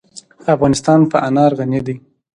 افغانستان په انار غني دی.